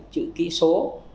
chữ ký số